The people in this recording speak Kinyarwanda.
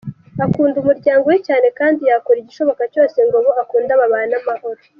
Akunda umuryango we cyane kandi yakora igishoboka cyose ngo abo akunda babane amahoro.